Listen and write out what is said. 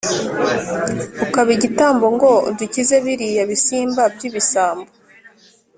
Ukaba igitambo ngo udukize biriya bisimba by'ibisambo